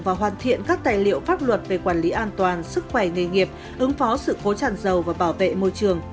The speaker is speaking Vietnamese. và hoàn thiện các tài liệu pháp luật về quản lý an toàn sức khỏe nghề nghiệp ứng phó sự cố tràn dầu và bảo vệ môi trường